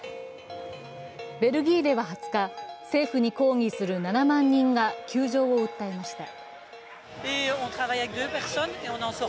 ベルギーでは２０日、政府に抗議する７万人が窮状を訴えました。